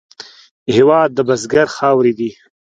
هېواد د بزګر خاورې دي.